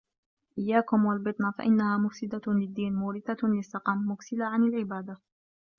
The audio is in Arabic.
إيَّاكُمْ وَالْبِطْنَةَ فَإِنَّهَا مُفْسِدَةٌ لِلدِّينِ مُورِثَةٌ لِلسَّقَمِ مُكْسِلَةٌ عَنْ الْعِبَادَةِ